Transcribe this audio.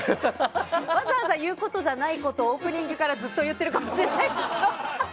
わざわざ言うことじゃないことをオープニングからずっと言ってるかもしれないですけど。